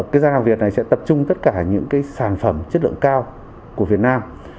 cái gian hàng việt này sẽ tập trung tất cả những cái sản phẩm chất lượng cao của việt nam